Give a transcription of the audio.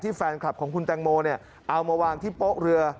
แฟนคลับของคุณแตงโมเอามาวางที่โป๊ะเรือ